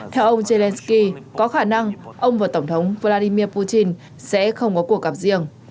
theo ông zelensky có khả năng ông và tổng thống vladimir putin sẽ không có cuộc gặp riêng